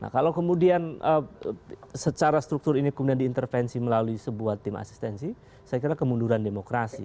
nah kalau kemudian secara struktur ini kemudian diintervensi melalui sebuah tim asistensi saya kira kemunduran demokrasi